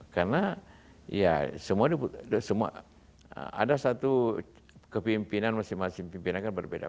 karena ya semua ada satu kepimpinan masing masing kepimpinan berbeda